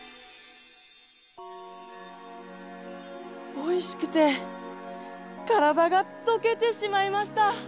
おいしくてからだがとけてしまいました！